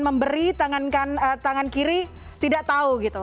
memberi tangan kiri tidak tahu gitu